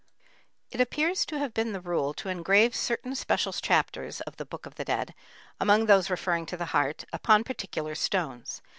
] It appears to have been the rule to engrave certain special chapters of the Book of the Dead, among those referring to the heart, upon particular stones.